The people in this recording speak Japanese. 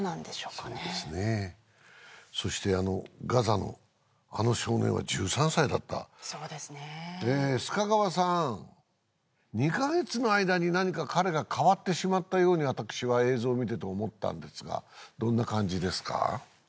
そしてガザのあの少年は１３歳だったそうですね須賀川さん２か月の間に何か彼が変わってしまったように私は映像を見てて思ったんですがどんな感じですか？